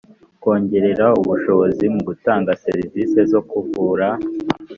kongerera ubushobozi mu gutanga servisi zo kuvura